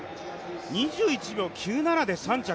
２１秒９７で３着